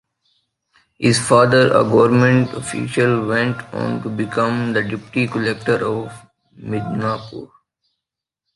His father, a government official, went on to become the Deputy Collector of Midnapur.